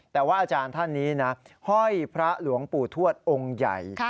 แต่ว่าอาจารย์ท่านนี้นะห้อยพระหลวงปู่ทวดองค์ใหญ่